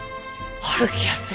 歩きやすい。